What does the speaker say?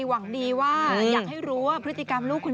หวังดีว่าอยากให้รู้ว่าพฤติกรรมลูกคุณ